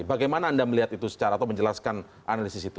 bagaimana anda melihat itu secara atau menjelaskan analisis itu